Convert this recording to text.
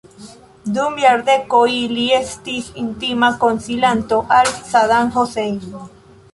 Dum jardekoj li estis intima konsilanto al Saddam Hussein.